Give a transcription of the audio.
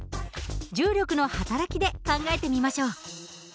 重力の働きで考えてみましょう。